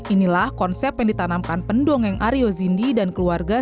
inilah konsep yang ditanamkan pendongeng aryo zindi dan keluarga